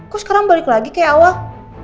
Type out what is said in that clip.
kok sekarang balik lagi ke awal